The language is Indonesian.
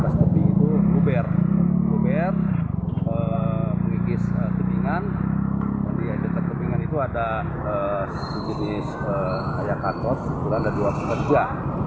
sejenis kayak katot berada dua pekerja